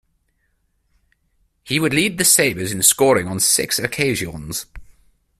He would lead the Sabres in scoring on six occasions.